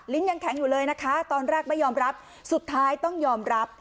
ยังแข็งอยู่เลยนะคะตอนแรกไม่ยอมรับสุดท้ายต้องยอมรับ